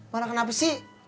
marah kenapa sih